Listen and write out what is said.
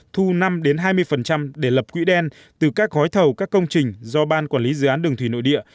thu năm hai mươi để lập quỹ đen từ các gói thầu các công trình do ban quản lý dự án đường thủy nội địa